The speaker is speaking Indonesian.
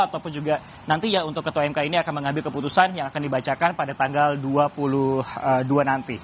ataupun juga nanti ya untuk ketua mk ini akan mengambil keputusan yang akan dibacakan pada tanggal dua puluh dua nanti